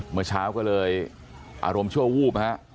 เมื่อเช้าก็เลยอารมณ์ชั่ววูบนะฮะ